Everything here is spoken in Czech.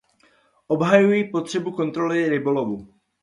Obhajuji potřebu kontroly rybolovu.